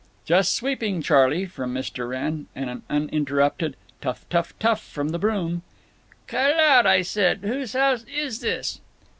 "Just sweeping, Charley," from Mr. Wrenn, and an uninterrupted "Tuff, tuff, tuff" from the broom. "Cut it out, I said. Whose house is this?"